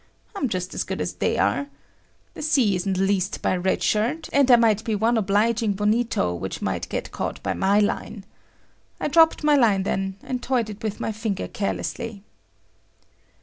I'm just as good as they are. The sea isn't leased by Red Shirt, and there might be one obliging bonito which might get caught by my line. I dropped my line then, and toyed it with my finger carelessly.